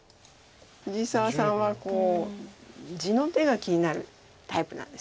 藤沢さんは地の手が気になるタイプなんです。